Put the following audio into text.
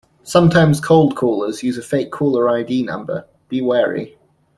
Sometimes cold callers use a fake caller id number. Be wary.